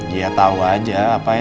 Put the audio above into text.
ya tau aja